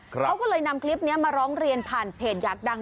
เขาก็เลยนำคลิปนี้มาร้องเรียนผ่านเพจอยากดัง